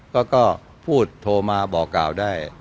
ก็พูดโทรมาบอกกล่าวได้